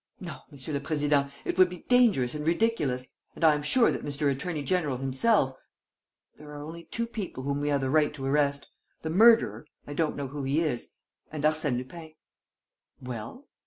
. No, Monsieur le Président, it would be dangerous and ridiculous; and I am sure that Mr. Attorney General himself ... There are only two people whom we have the right to arrest: the murderer I don't know who he is and Arsène Lupin." "Well?"